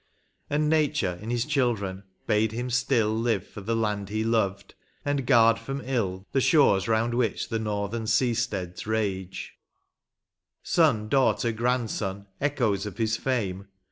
And Nature, in his children, bade him still Live for the land he loved, and guard from ill The shores round which the northern sea steeds rage; Son, daughter, grandson, echoes of his fame.